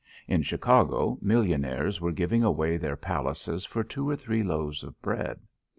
In Chicago millionaires were giving away their palaces for two or three loaves of bread.